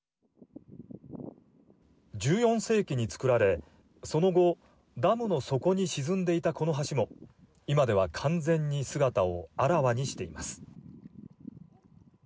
１４世紀に造られ、その後ダムの底に沈んでいたこの橋も今では完全に姿をあらわにしています。